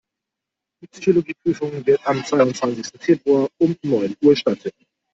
Die Psychologie-Prüfung wird am zweiundzwanzigsten Februar um neun Uhr stattfinden.